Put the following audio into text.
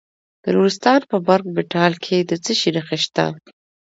د نورستان په برګ مټال کې د څه شي نښې دي؟